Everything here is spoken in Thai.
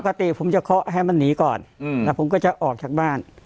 ปกติผมจะเคาะให้มันหนีก่อนแล้วผมก็จะออกจากบ้าน